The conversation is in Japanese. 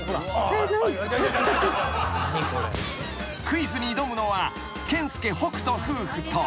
［クイズに挑むのは健介北斗夫婦と］